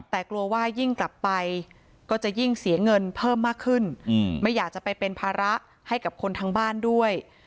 แต่กลัวว่ายิ่งกลับไปก็จะยิ่งเสียเงินเพิ่มมากขึ้นไม่อยากจะไปเป็นภาระให้กับคนทั้งบ้านด้วย